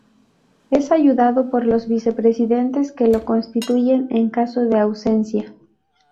Es ayudado por dos vicepresidentes que lo sustituyen en caso de ausencia.